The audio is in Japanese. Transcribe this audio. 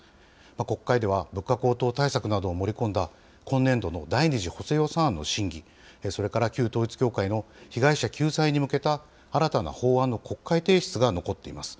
国会では物価高騰対策などを盛り込んだ、今年度の第２次補正予算案の審議、それから旧統一教会の被害者救済に向けた、新たな法案の国会提出が残っています。